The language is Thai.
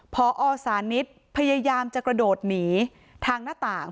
พอสานิทพยายามจะกระโดดหนีทางหน้าต่าง